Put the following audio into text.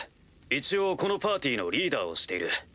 一応このパーティーのリーダーをしている。